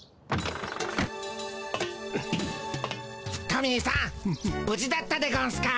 トミーさんぶじだったでゴンスか。